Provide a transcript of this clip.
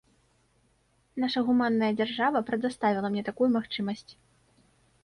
Наша гуманная дзяржава прадаставіла мне такую магчымасць.